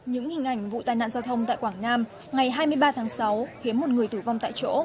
những hình ảnh vụ tai nạn giao thông tại quảng nam ngày hai mươi ba tháng sáu khiến một người tử vong tại chỗ